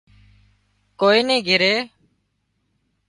ڪوئي نِي گھري